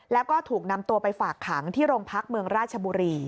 แล้วก็ถูกนำตัวไปฝากขังที่โรงพักเมืองราชบุรี